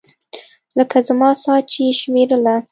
لکه زما ساه چې يې شمېرله.